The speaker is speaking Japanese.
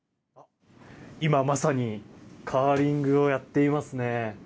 今まさにカーリングをやっていますね。